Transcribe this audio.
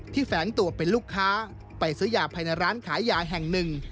แฝงตัวเป็นลูกค้าไปซื้อยาภายในร้านขายยาแห่งหนึ่ง